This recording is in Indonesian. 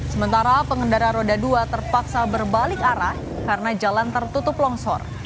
sementara pengendara roda dua terpaksa berbalik arah karena jalan tertutup longsor